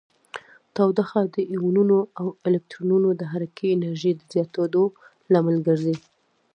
تودوخه د ایونونو او الکترونونو د حرکې انرژي د زیاتیدو لامل ګرځي.